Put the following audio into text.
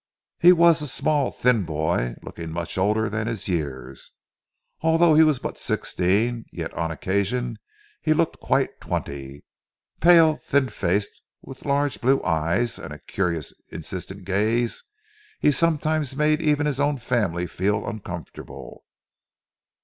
He was a small thin boy looking much older than his years. Although he was but sixteen, yet on occasions he looked quite twenty. Pale, thin faced, with large blue eyes, and a curious insistent gaze, he sometimes made even his own family feel uncomfortable.